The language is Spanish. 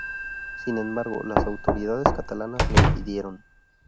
Sin embargo, las autoridades catalanas lo impidieron.